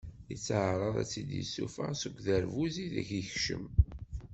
Yettaɛraḍ ad tt-id-yessufeɣ seg uderbuz ideg i teckem.